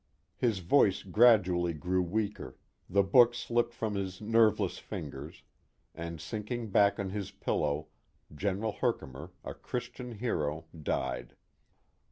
His voice gradually grew weaker, the book slipped from his nerveless fingers, and sinking back on his pillow General Herkimer, a Christian hero, died.